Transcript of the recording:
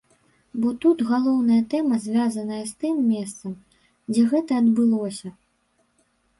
Бо тут галоўная тэма звязаная з тым месцам, дзе гэта адбылося.